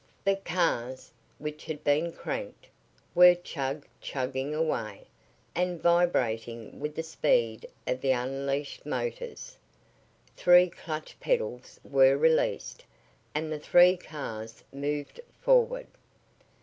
The cars, which had been cranked, were "chug chugging" away, and vibrating with the speed of the unleashed motors. Three clutch pedals were released, and the three cars moved forward.